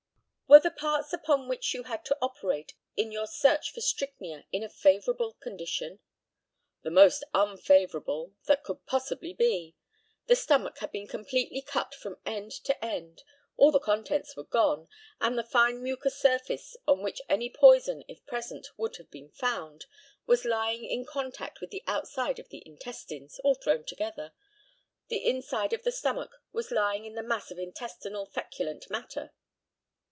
Were the parts upon which you had to operate in your search for strychnia in a favourable condition? The most unfavourable that could possibly be. The stomach had been completely cut from end to end, all the contents were gone, and the fine mucous surface, on which any poison, if present, would have been found, was lying in contact with the outside of the intestines all thrown together. The inside of the stomach was lying in the mass of intestinal feculent matter.